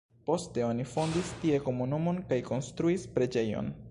Poste oni fondis tie komunumon kaj konstruis preĝejon.